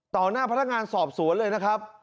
หน้าพนักงานสอบสวนเลยนะครับ